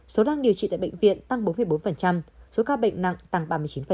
số đang điều trị tại bệnh viện tăng bốn bốn số ca bệnh nặng tăng ba mươi chín